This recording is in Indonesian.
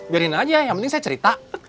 biarin aja yang penting saya cerita